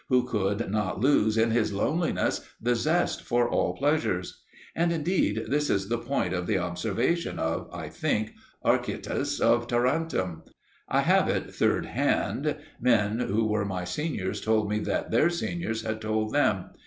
Who would not lose in his loneliness the zest for all pleasures? And indeed this is the point of the observation of, I think, Archytas of Tarentum. I have it third hand; men who were my seniors told me that their seniors had told them.